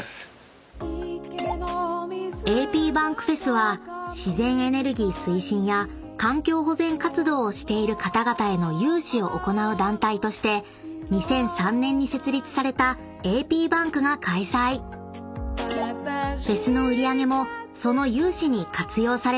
［ａｐｂａｎｋｆｅｓは自然エネルギー推進や環境保全活動をしている方々への融資を行う団体として２００３年に設立されたａｐｂａｎｋが開催］ということでやってます。